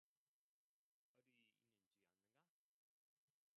어디 있는지 아는가?